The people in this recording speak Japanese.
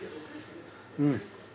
うん。